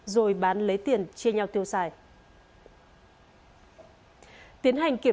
rồi bán lấy tiền chia nhau tiêu xài